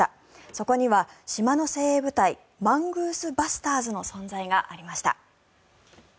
そこには島の精鋭部隊マングースバスターズの存在がありました。